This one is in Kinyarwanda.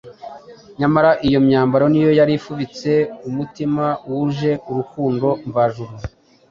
nyamara iyo myambaro niyo yari ifubitse umutima wuje urukundo mvajuru.